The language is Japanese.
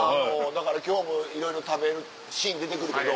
だから今日もいろいろ食べるシーン出てくるけど。